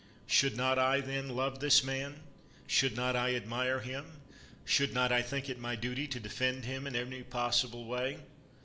Should not I, then, love this mant should not I admire himt eJiould not I think it my duty to defend him in every possible way